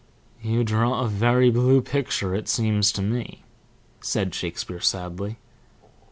"You draw a very blue picture, it seems to me," said Shakespeare, sadly.